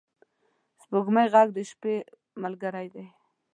د سپوږمۍ ږغ د شپې ملګری دی.